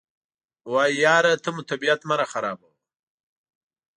وایي یاره ته مو طبیعت مه راخرابوه.